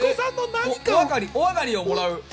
おあがりをもらう。